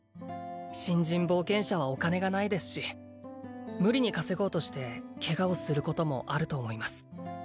新人冒険者はお金がないですし無理に稼ごうとしてケガをすることもあると思います